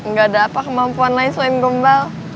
nggak ada apa kemampuan lain selain gombal